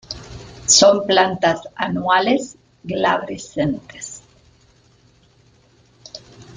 Son plantas anuales, glabrescentes.